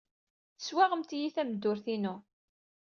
Teswaɣemt-iyi tameddurt-inu!